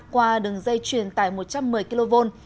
qua đường dây truyền tải một trăm một mươi kv